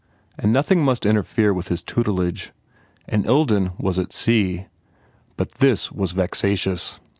And nothing must interfere with his tutelage. And Ilden was at sea. But this was vexatious